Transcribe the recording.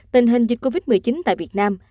tình hình dịch covid một mươi chín tại việt nam